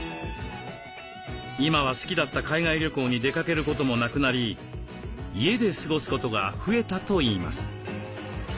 今は好きだった海外旅行に出かけることもなくなり家で過ごすことが増えたといいます。